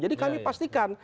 jadi kami pastikan